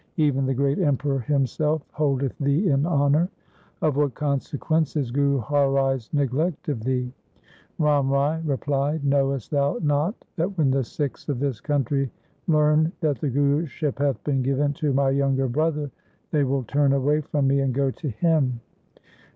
Even the great Emperor him self holdeth thee in honour. Of what consequence is Guru Har Rai's neglect of thee ?' Ram Rai replied, ' Knowest thou not that when the Sikhs of this country learn that the Guruship hath been given to my younger brother, they will turn away from me and go to him